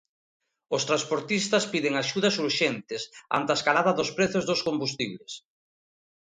Os transportistas piden axudas urxentes ante a escalada dos prezos dos combustibles.